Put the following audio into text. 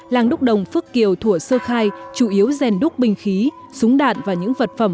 làng đúc đồng phước kiều thủa sơ khai chủ yếu rèn đúc bình khí súng đạn và những vật phẩm